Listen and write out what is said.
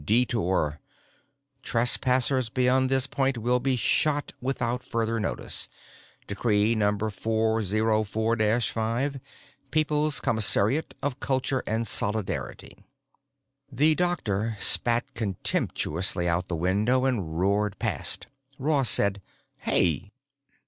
DETOUR "Trespassers beyond this point will be shot without further notice." Decree #404 5 People's Commissariat of Culture and Solidarity. The doctor spat contemptuously out the window and roared past. Ross said, "Hey!"